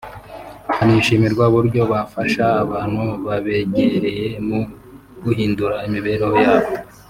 hanishimirwa uburyo bafasha abantu babegereye mu guhindura imibereho yabo